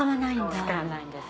使わないんです。